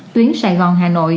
tuyến sài gòn hà nội